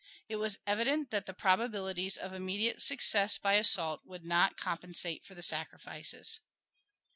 It was evident that the probabilities of immediate success by assault would not compensate for the sacrifices.